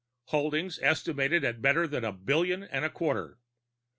Holdings estimated at better than a billion and a quarter.